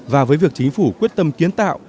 và với việc chính phủ quyết tâm kiến tạo